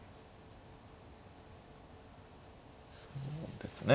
そうですね。